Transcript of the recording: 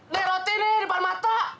nek roti nih di pan mata